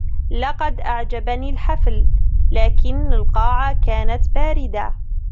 لقد أعجبني الحفل ، لكن القاعة كانت باردة.